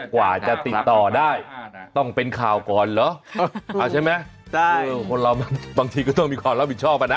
กว่าจะติดต่อได้ต้องเป็นข่าวก่อนเหรอเอาใช่ไหมคนเราบางทีก็ต้องมีความรับผิดชอบอ่ะนะ